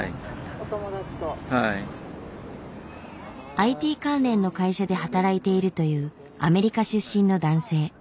ＩＴ関連の会社で働いているというアメリカ出身の男性。